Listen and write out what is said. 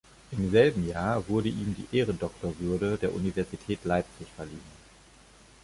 Im selben Jahr wurde ihm die Ehrendoktorwürde der Universität Leipzig verliehen.